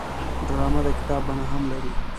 ډرامه د کتاب بڼه هم لري